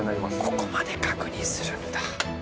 ここまで確認するんだ。